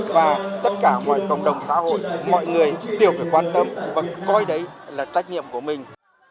và tất cả mọi cộng đồng xã hội mọi người đều phải quan tâm và coi đấy là trách nhiệm của mình